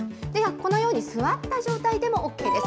このように座った状態でもＯＫです。